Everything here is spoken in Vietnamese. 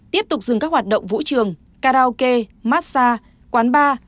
tiếp tục dừng các hoạt động vũ trường karaoke massage quán bar